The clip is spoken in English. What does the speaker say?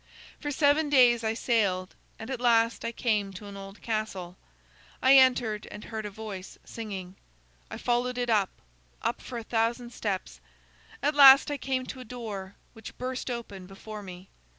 For seven days I sailed, and at last I came to an old castle. I entered and heard a voice singing. I followed it up, up for a thousand steps. At last I came to a door, which burst open before me.